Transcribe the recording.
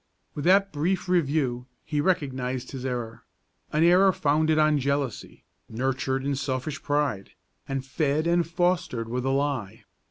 With that brief review he recognized his error, an error founded on jealousy, nurtured in selfish pride, and fed and fostered with a lie.